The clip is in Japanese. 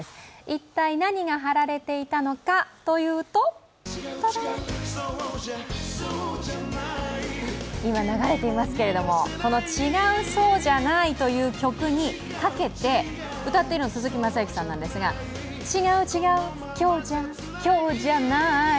一体、何が貼られていたのかというと今、流れていますけれど、「違う、そうじゃない」という曲にかけて歌っているのは、鈴木雅之さんなんですが、「ちがうちがう、今日じゃ今日じゃなーい」